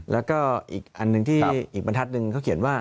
แล้วก็อีกปันทัดหนึ่งเขาเขียนว่า